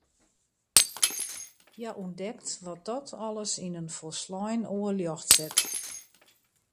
Hja ûntdekt wat dat alles yn in folslein oar ljocht set.